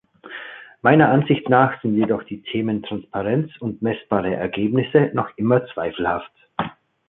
Meiner Ansicht nach sind jedoch die Themen Transparenz und messbare Ergebnisse noch immer zweifelhaft.